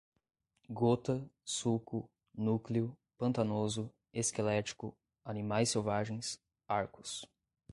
gota, suco, núcleo, pantanoso, esquelético, animais selvagens, arcos